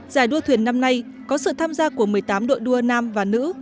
giải đua thuyền năm nay có sự tham gia của một mươi tám đội đua nam và nữ